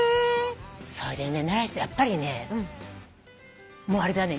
それでね習いだすとやっぱりねもうあれだね。